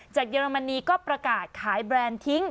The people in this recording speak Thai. เยอรมนีก็ประกาศขายแบรนด์ทิ้ง